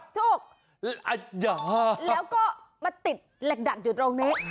ถูกอัดยาแล้วก็มาติดเหล็กดัดอยู่ตรงนี้